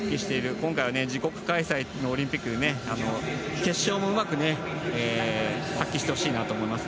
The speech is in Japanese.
今回は自国開催のオリンピックで決勝もうまく発揮してほしいなと思います。